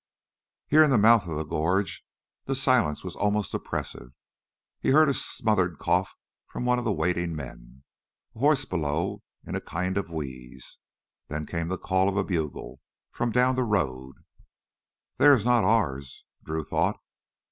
Here in the mouth of the gorge the silence was almost oppressive. He heard a smothered cough from one of the waiting men, a horse blow in a kind of wheeze. Then came the call of a bugle from down the road. Theirs, not ours, Drew thought.